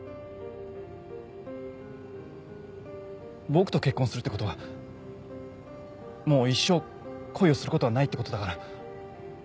僕と結婚するってことはもう一生恋をすることはないってことだから。